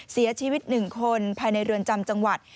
เสียชีวิต๑คนภายในเรือนจำจังหวัด